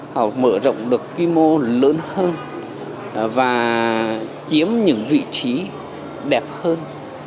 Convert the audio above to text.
họ mở rộng được quy mô lớn hơn và chiếm những vị trí đẹp hơn